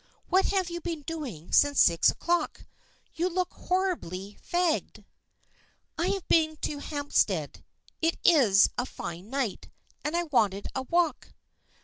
What have you been doing since six o'clock? You look horribly fagged." "I have been to Hampstead. It is a fine night, and I wanted a walk."